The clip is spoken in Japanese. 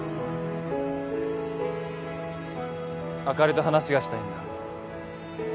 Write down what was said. あかりと話がしたいんだ。